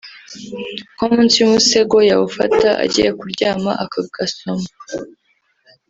nko munsi y’umusego yawufata agiye kuryama akagasoma